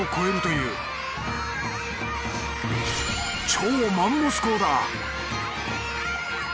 超マンモス校だ。